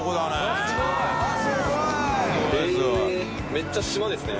めっちゃ島ですね。